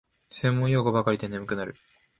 専門用語ばかりで眠くなる